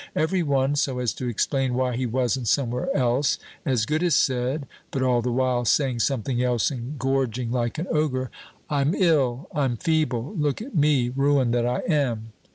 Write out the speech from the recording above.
Every one, so as to explain why he wasn't somewhere else, as good as said (but all the while saying something else and gorging like an ogre), 'I'm ill, I'm feeble, look at me, ruin that I am.